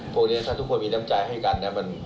พวกนี้ถ้าทุกคนมีน้ำใจให้กันนะ